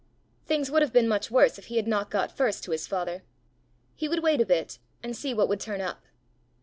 Things would have been much worse if he had not got first to his father! He would wait a bit, and see what would turn up!